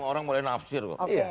semua orang boleh nafsir